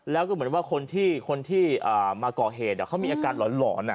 แล้วก็เหมือนว่าคนที่มาก่อเหตุเขามีอาการหลอน